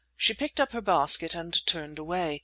She picked up her basket, and turned away.